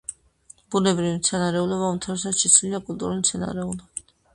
ბუნებრივი მცენარეულობა უმთავრესად შეცვლილია კულტურული მცენარეულობით.